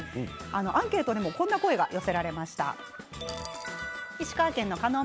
アンケートでもこんな声が寄せられました。